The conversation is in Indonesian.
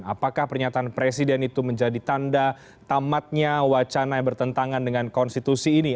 apakah pernyataan presiden itu menjadi tanda tamatnya wacana yang bertentangan dengan konstitusi ini